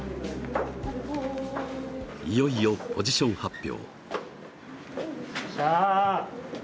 いよいよポジション発表。